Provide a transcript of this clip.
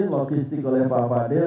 logistik oleh pak fadil